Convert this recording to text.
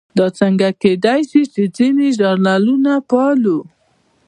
دا څنګه کېدای شي چې ځینې ژانرونه پالو.